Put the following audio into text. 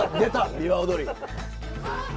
びわ踊り。